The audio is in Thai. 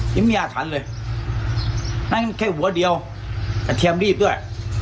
นี่มันมีอาถรรพ์เลยนั่งเป็นแค่หัวเดียวอาเทียมรีบด้วย